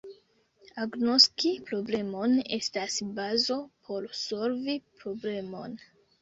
Agnoski problemon estas bazo por solvi problemon.